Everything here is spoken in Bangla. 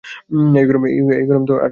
এই গরম আর সহ্য করা যাচ্ছে না।